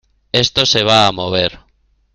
esto se va a mover.